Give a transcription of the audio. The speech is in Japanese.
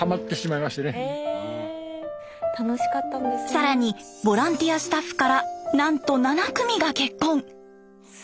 更にボランティアスタッフからなんと７組が結婚。